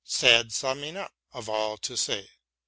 Sad summing up of all to say